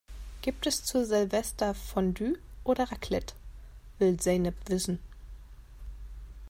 "Gibt es zu Silvester Fondue oder Raclette?", will Zeynep wissen.